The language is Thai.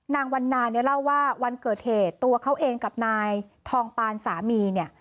วันนาเนี่ยเล่าว่าวันเกิดเหตุตัวเขาเองกับนายทองปานสามีเนี่ย